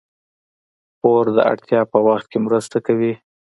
پور د اړتیا په وخت کې مرسته کوي.